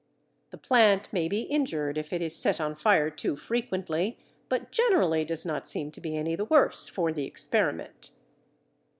The plant may be injured if it is set on fire too frequently, but generally does not seem to be any the worse for the experiment.